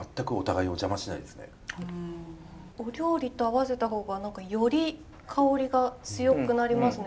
お料理と合わせた方が何かより香りが強くなりますね。